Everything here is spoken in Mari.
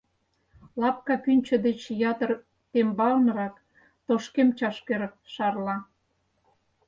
Лапка пӱнчӧ деч ятыр тембалнырак тошкем чашкер шарла.